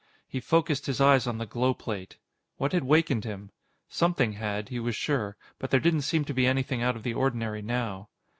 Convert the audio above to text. He focused his eyes on the glow plate. What had wakened him? Something had, he was sure, but there didn't seem to be anything out of the ordinary now.